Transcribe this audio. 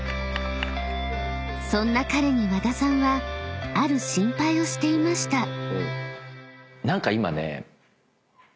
［そんな彼に和田さんはある心配をしていました］